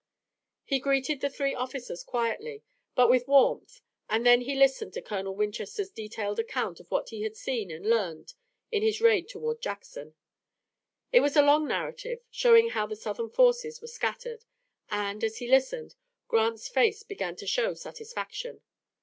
He greeted the three officers quietly but with warmth and then he listened to Colonel Winchester's detailed account of what he had seen and learned in his raid toward Jackson. It was a long narrative, showing how the Southern forces were scattered, and, as he listened, Grant's face began to show satisfaction.